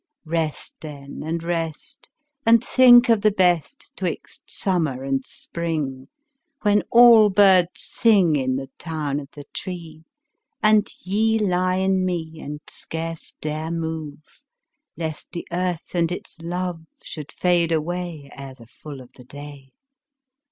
Rest then and rest, And think of the best 'Twixt summer and spring, When all birds sing In the town of the tree, And ye lie in me And scarce dare move, Lest the earth and its love Should fade away Ere the full of the day.